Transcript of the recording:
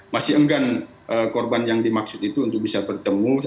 masih enggan korban yang dimaksud itu untuk bisa bertemu